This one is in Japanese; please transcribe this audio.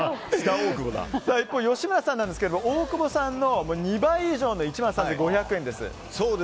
吉村さんですが大久保さんの２倍以上の１万３５００円です。